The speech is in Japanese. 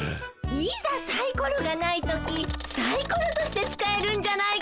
いざサイコロがない時サイコロとして使えるんじゃないかしら。